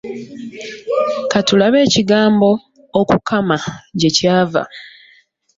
Ka tulabe ekigambo “okukama” gye kyava.